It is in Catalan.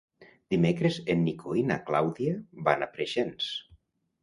Dimecres en Nico i na Clàudia van a Preixens.